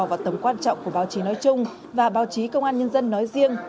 và tầm quan trọng của báo chí nói chung và báo chí công an nhân dân nói riêng